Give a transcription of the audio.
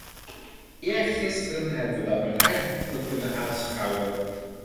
Eergisteren hebben wij dat met eigen ogen kunnen aanschouwen.